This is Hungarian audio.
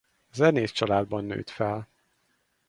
Zenész családban nőtt fel.